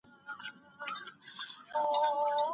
څېړونکی له ټولنیزو پوهنو سره ژوره اشنایي لري.